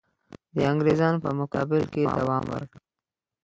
د انګرېزانو په مقابل کې یې دوام ورکړ.